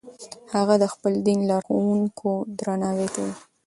هغه د خپل دین لارښوونکو درناوی کوي.